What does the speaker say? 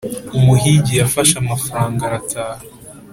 umuhigi yafashe amafaranga arataha.